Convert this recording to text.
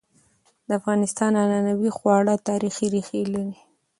د افغانستان عنعنوي خواړه تاریخي ريښه لري.